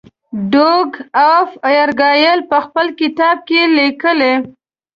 ډوک آف ارګایل په خپل کتاب کې لیکي.